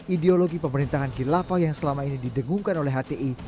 ideologi pemerintahan kilava yang selama ini didengungkan oleh hti